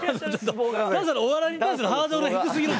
檀さんのお笑いに対するハードルが低すぎる。